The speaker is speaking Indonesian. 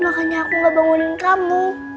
makanya aku gak bangunin kamu